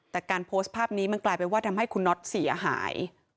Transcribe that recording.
แต่การโพสต์ภาพนี้มันกลายเป็นว่าทำให้คุณน็อตเสียหาย